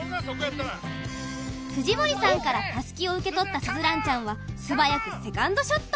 藤森さんからたすきを受け取った鈴蘭ちゃんは素早くセカンドショット。